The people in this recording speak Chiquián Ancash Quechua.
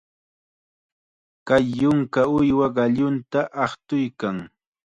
Kay yunka uywa qallunta aqtuykan.